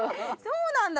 そうなんだ。